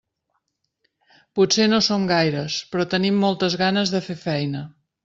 Potser no som gaires, però tenim moltes ganes de fer feina.